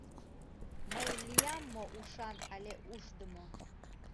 Мый лиям мо ушан але ушдымо?..